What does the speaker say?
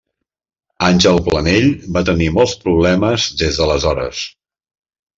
Àngel Planell va tenir molts problemes des d'aleshores.